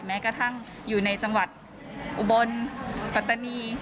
แม้กระทั่งอยู่ในจังหวัดอุบลปัตตานี